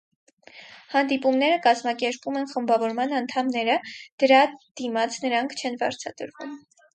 Հանդիպումները կազմակերպում են խմբավորման անդամները, դրա դիմաց նրանք չեն վարձատրվում։